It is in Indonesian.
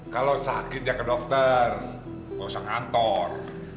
kalau sakit ya ke dokter gak usah ngantor